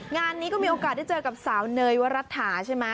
งานนี้ก็มีโอกาสได้เจอกับสาวเนยวรัฐาใช่ไหม